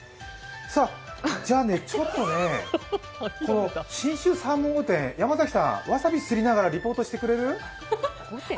さあ、じゃね、ちょっとね、この信州サーモン御殿、山崎さん、わさびすりながらリポートしてくれる？